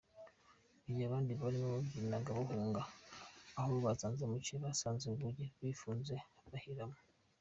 Mu gihe abandi barimo babyiganaga bahunga, aho bazanzamukiye basanze urugi rwifunze bahiramo.